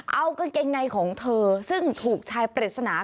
เอากางเกงในของเธอซึ่งถูกชายปริศนา